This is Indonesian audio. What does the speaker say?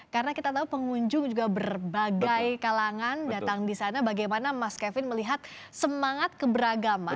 karena kita tahu pengunjung juga berbagai kalangan datang di sana bagaimana mas kevin melihat semangat keberagaman